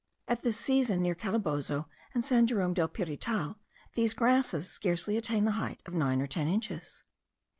At this season, near Calabozo and San Jerome del Pirital, these grasses scarcely attain the height of nine or ten inches.